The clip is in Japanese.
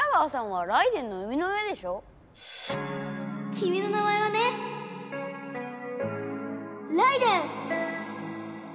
きみの名前はねライデェン！